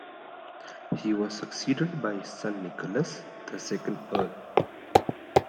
He was succeeded by his son, Nicholas, the second Earl.